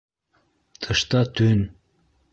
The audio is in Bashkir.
Тышта төн.